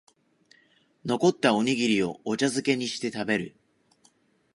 残ったおにぎりをお茶づけにして食べる